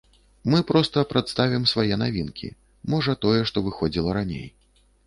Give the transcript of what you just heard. Мы проста прадставім свае навінкі, можа, тое, што выходзіла раней.